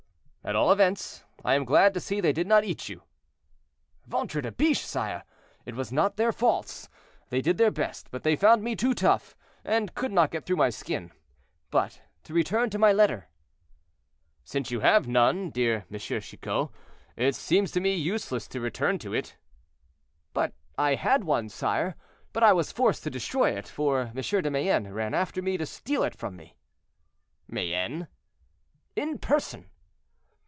"At all events, I am glad to see they did not eat you." "Ventre de biche! sire, it was not their faults; they did their best, but they found me too tough, and could not get through my skin. But to return to my letter." "Since you have none, dear M. Chicot, it seems to me useless to return to it." "But I had one, sire, but I was forced to destroy it, for M. de Mayenne ran after me to steal it from me." "Mayenne?" "In person."